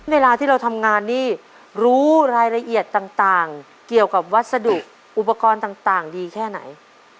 เวลาที่เราทำงานนี่รู้รายละเอียดต่างเกี่ยวกับวัสดุอุปกรณ์ต่างดีแค่ไหน